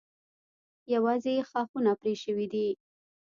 یوازې یې ښاخونه پرې شوي دي.